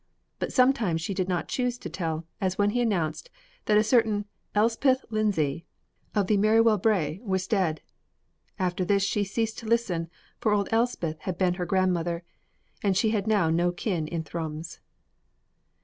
But sometimes she did not choose to tell, as when he announced that a certain Elspeth Lindsay, of the Marywellbrae, was dead. After this she ceased to listen, for old Elspeth had been her grandmother, and she had now no kin in Thrums.